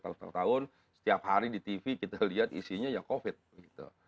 kalau tahun setiap hari di tv kita lihat isinya ya covid gitu